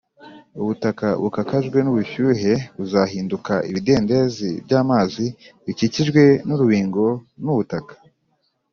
Ubutaka bwakakajwe n ubushyuhe buzahinduka ibidendezi by amazi bikikijwe n urubingo n ubutaka